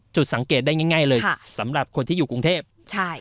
จุดสังเกตได้ง่ายง่ายเลยค่ะสำหรับคนที่อยู่กรุงเทพฯใช่